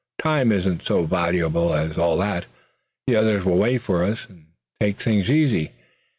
Time isn't so valuable as all that. The others will wait for us, and take things easy.